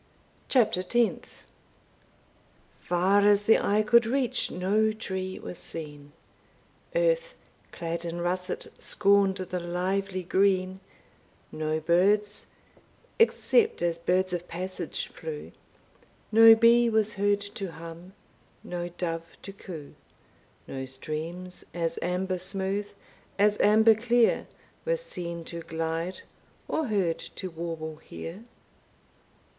CHAPTER TENTH. Far as the eye could reach no tree was seen, Earth, clad in russet, scorned the lively green; No birds, except as birds of passage flew; No bee was heard to hum, no dove to coo; No streams, as amber smooth as amber clear, Were seen to glide, or heard to warble here.